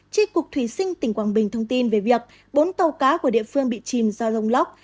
tri cục thủy sinh tỉnh quảng bình thông tin về việc bốn tàu cá của địa phương bị chìm do rông lốc